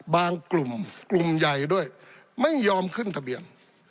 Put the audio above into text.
กลุ่มกลุ่มใหญ่ด้วยไม่ยอมขึ้นทะเบียน